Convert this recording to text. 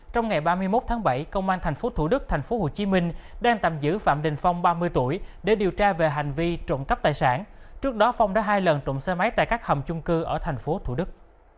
trong ngày ba mươi một tháng bảy công an thành phố thủ đức thành phố hồ chí minh đang tạm giữ phạm đình phong ba mươi tuổi để điều tra về hành vi trộn cắp tài sản trước đó phong đã hai lần trộn xe máy tại các hầm chung cư ở thành phố thủ đức